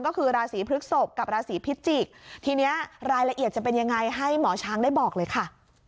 ก็คือราศีพฤกษพกับราศีพิจิกทีนี้รายละเอียดจะเป็นยังไงให้หมอช้างได้บอกเลยค่ะ